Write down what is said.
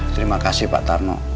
terima kasih pak tarno